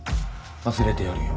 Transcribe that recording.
忘れてやるよ。